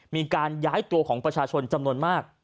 มีการย้ายตัวของประชาชนจำนวนมาก